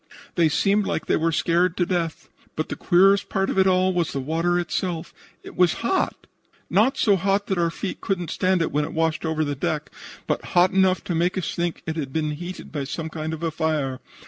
They seemed like they were scared to death. But the queerest part of it all was the water itself. It was hot not so hot that our feet could not stand it when it washed over the deck, but hot enough to make us think that it had been heated by some kind of a fire.